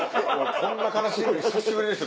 こんな悲しいこと久しぶりですよ